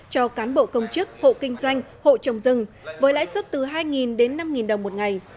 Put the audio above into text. cho cán bộ công chức hộ kinh doanh hộ trồng rừng với lãi suất từ hai đến năm đồng một ngày